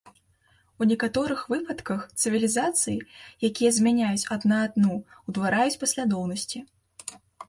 У некаторых выпадках, цывілізацыі, якія змяняюць адна адну ўтвараюць паслядоўнасці.